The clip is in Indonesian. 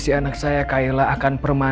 semoga kalian pulih